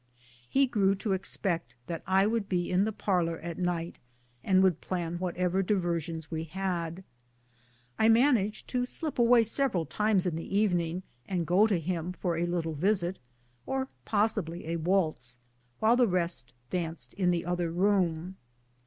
He grew to expect that I would be in the parlor at night, and plan whatever di versions we had. I managed to slip away several times in the evening, and go to him for a little visit, or possi bly a waltz, while the rest danced in the other room.